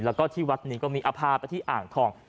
แล้วก็ที่วัดนี้ก็มีเอาพาไปที่อ่างทอง